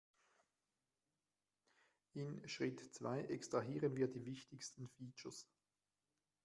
In Schritt zwei extrahieren wir die wichtigsten Features.